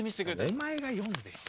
お前が読んでよ。